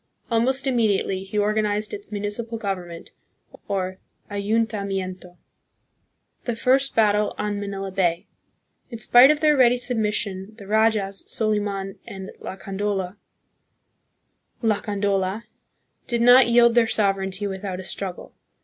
Almost immediately he organized its municipal government, or ayuntamiento. The First Battle on Manila Bay. In spite of their ready submission, the rajas, Soliman and Lacandola, did not yield their sovereignty without a struggle.